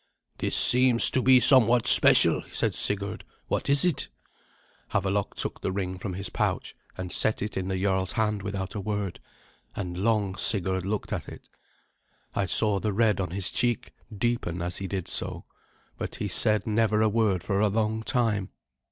"This seems to be somewhat special," said Sigurd. "What is it?" Havelok took the ring from his pouch, and set it in the jarl's hand without a word; and long Sigurd looked at it. I saw the red on his cheek deepen as he did so, but he said never a word for a long time.